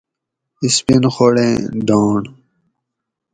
سپین خوڑ ایں ڈانڑ